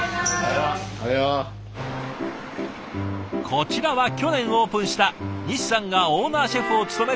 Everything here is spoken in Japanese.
こちらは去年オープンした西さんがオーナーシェフを務めるレストラン。